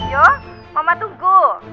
yo mama tunggu